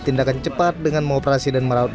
tindakan cepat dengan mengoperasi dan merawat